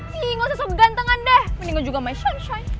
tinggal sesuai kegantengan deh mendingan juga sama shanshan